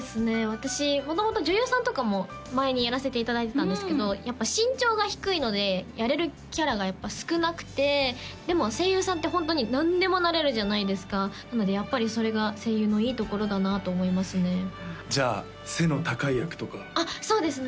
私元々女優さんとかも前にやらせていただいてたんですけどやっぱ身長が低いのでやれるキャラが少なくてでも声優さんってホントに何でもなれるじゃないですかなのでやっぱりそれが声優のいいところだなと思いますねじゃあ背の高い役とかあっそうですね